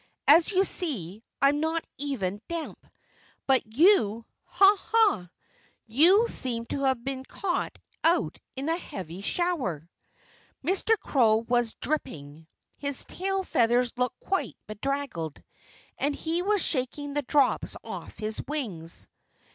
"As you see, I'm not even damp. But you ha! ha! you seem to have been caught out in a heavy shower." Mr. Crow was dripping. His tail feathers looked quite bedraggled. And he was shaking the drops off his wings.